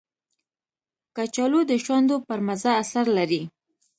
کچالو د شونډو پر مزه اثر لري